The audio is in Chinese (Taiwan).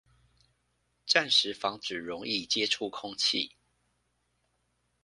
暫時防止溶液接觸空氣